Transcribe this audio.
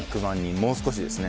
もう少しですね。